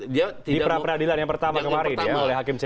di peradilan yang pertama kemarin ya oleh hakim cepi